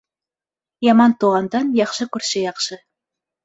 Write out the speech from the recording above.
Яман туғандан яҡшы күрше яҡшы.